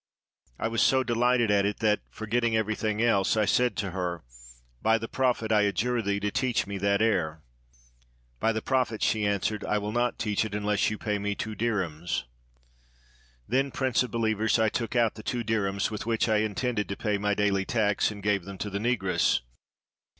I was so delighted at it that, forgetting everything else, I said to her: "By the Prophet, I adjure thee to teach me that air. " "By the Prophet," she answered, " I will not teach it unless you pay me two dirhems." '"Then, Prince of Behevers, I took out the two dirhems, with which I had intended to pay my daily tax, and gave them to the Negress.